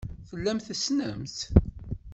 Tellam tessnem-tt.